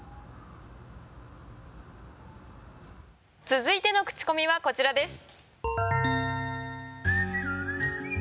続いてのクチコミはこちらです。